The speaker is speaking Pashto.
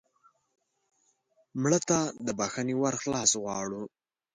مړه ته د بښنې ور خلاص غواړو